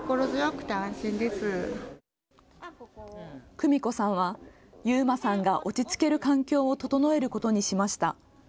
久美子さんは勇馬さんが落ち着ける環境を整えることにしました。